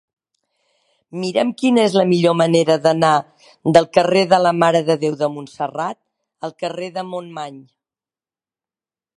Mira'm quina és la millor manera d'anar del carrer de la Mare de Déu de Montserrat al carrer de Montmany.